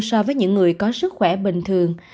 so với những người có sức khỏe bình thường